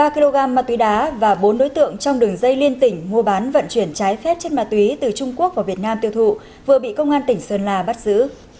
ba kg ma túy đá và bốn đối tượng trong đường dây liên tỉnh mua bán vận chuyển trái phép chất ma túy từ trung quốc vào việt nam tiêu thụ vừa bị công an tỉnh sơn la bắt giữ